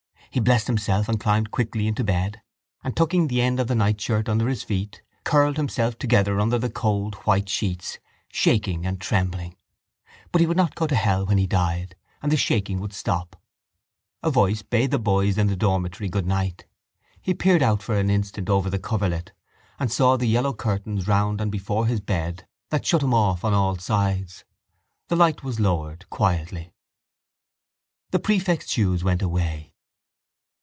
He blessed himself and climbed quickly into bed and, tucking the end of the nightshirt under his feet, curled himself together under the cold white sheets, shaking and trembling. But he would not go to hell when he died; and the shaking would stop. A voice bade the boys in the dormitory goodnight. He peered out for an instant over the coverlet and saw the yellow curtains round and before his bed that shut him off on all sides. The light was lowered quietly. The prefect's shoes went away.